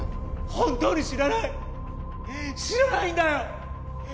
本当に知らない知らないんだよ